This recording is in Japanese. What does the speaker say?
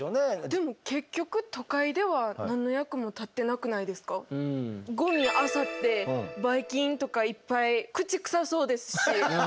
でも結局ゴミあさってバイ菌とかいっぱい口臭そうですし。